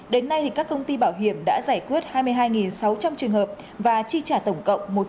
đến nay các công ty bảo hiểm đã giải quyết hai mươi hai sáu trăm linh trường hợp và chi trả tổng cộng một trăm chín mươi triệu nhân dân tệ